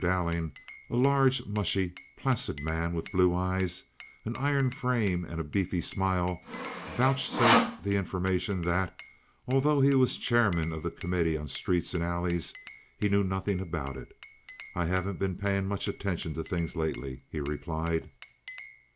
Dowling, a large, mushy, placid man with blue eyes, an iron frame, and a beefy smile, vouchsafed the information that, although he was chairman of the committee on streets and alleys, he knew nothing about it. "I haven't been payin' much attention to things lately," he replied.